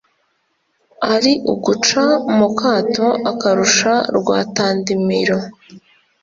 Ari uguca mu Kato akarusha Rwatandimiro